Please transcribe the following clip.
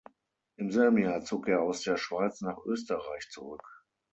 Im selben Jahr zog er aus der Schweiz nach Österreich zurück.